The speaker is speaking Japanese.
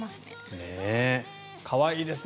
可愛いですね。